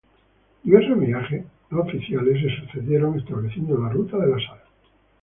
Diversos viajes no oficiales se sucedieron estableciendo la ruta de la sal.